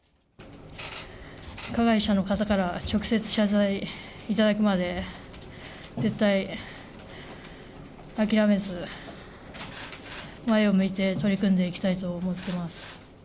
加害者の方から直接謝罪いただくまで、絶対諦めず、前を向いて取り組んでいきたいと思っています。